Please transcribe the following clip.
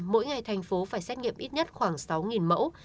mỗi ngày tp hcm phải xét nghiệm ít nhất khoảng sáu mẫu